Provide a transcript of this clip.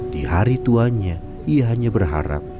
di hari tuanya ia hanya berharap